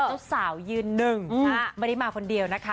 เจ้าสาวยืนหนึ่งไม่ได้มาคนเดียวนะคะ